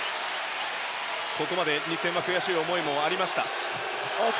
ここまで２戦は悔しい思いもありました。